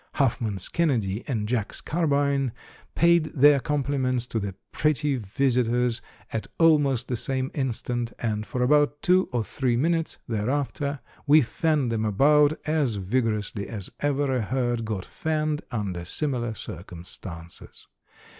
Huffman's Kennedy and Jack's carbine paid their compliments to the pretty visitors at almost the same instant, and for about two or three minutes thereafter we fanned them about as vigorously as ever a herd got fanned under similar circumstances.